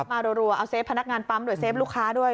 มารัวเอาเซฟพนักงานปั๊มด้วยเฟฟลูกค้าด้วย